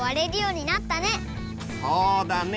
そうだね。